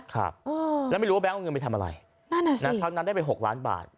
ครับแล้วไม่รู้ว่าแก๊งเอาเงินไปทำอะไรนั่นอ่ะนะครั้งนั้นได้ไป๖ล้านบาท